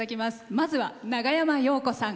まずは長山洋子さん。